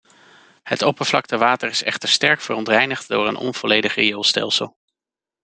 Het oppervlaktewater is echter sterk verontreinigd door een onvolledig rioolstelsel.